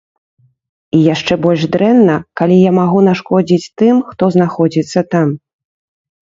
І яшчэ больш дрэнна, калі я магу нашкодзіць тым, хто знаходзіцца там.